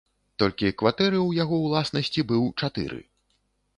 Толькі кватэры ў яго ўласнасці быў чатыры.